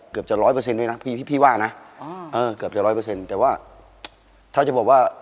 เกือบจะ๑๐๐ด้วยนะพี่ว่านะ